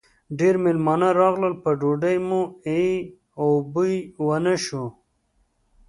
ډېر مېلمانه راغلل؛ په ډوډۍ مو ای و بوی و نه شو.